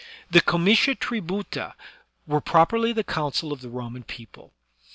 The comitia tributa were properly the council of the Roman i)eople.